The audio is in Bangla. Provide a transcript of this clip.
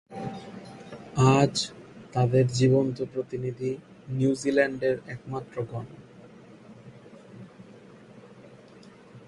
আজ তাদের জীবন্ত প্রতিনিধি নিউজিল্যান্ডের একটিমাত্র গণ।